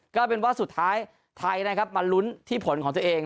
ก็เป็นว่าสุดท้ายไทยนะครับมาลุ้นที่ผลของตัวเอง